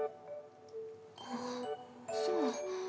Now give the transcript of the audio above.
あっそう。